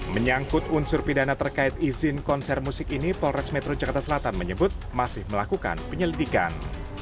menyangkut unsur pidana terkait izin konser musik ini polres metro jakarta selatan menyebut masih melakukan penyelidikan